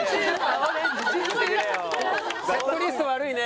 セットリスト悪いね。